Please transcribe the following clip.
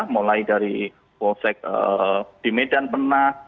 mulai dari posek di medan pena